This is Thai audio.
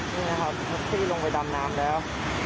นี่นะครับลงไปดำน้ำแล้ว